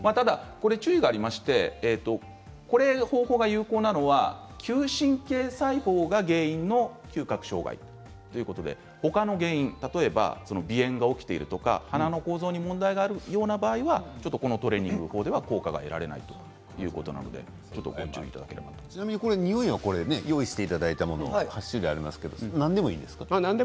注意がありましてこの方法が有効なのは嗅神経細胞が原因の嗅覚障害ということで他の原因、例えば鼻炎が起きているとか鼻の構造に問題があるような場合だとこのトレーニング法だと効果がちなみに匂いは用意していただいたもの８種類ありますが何でもいいですね。